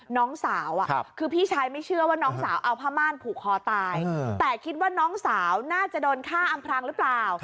น้องสาวคือพี่ชายไม่เชื่อว่าน้องสาวเอาผ้าม่านผูกคอตายแต่คิดว่าน้องสาวน่าจะโดนฆ่าอำพรางหรือเปล่า